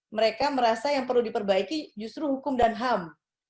mereka merasa yang perlu diperbaiki justru hukum dan ham